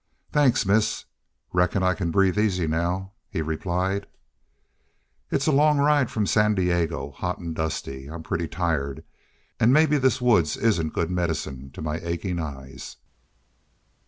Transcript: "Thanks, miss. Reckon I can breathe easy now," he replied, "It's a long ride from San Diego. Hot an' dusty! I'm pretty tired. An' maybe this woods isn't good medicine to achin' eyes!"